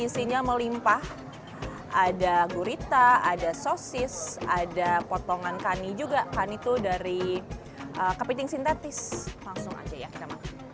sampah ada gurita ada sosis ada potongan kani juga kan itu dari kepiting sintetis langsung aja ya